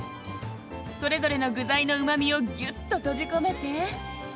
それぞれの具材のうまみをギュッと閉じ込めて。